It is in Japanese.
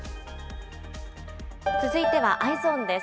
続いてはＥｙｅｓｏｎです。